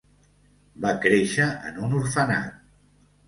Va créixer en un orfenat.